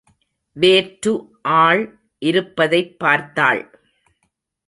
வேற்று ஆள் இருப்பதைப் பார்த்தாள்.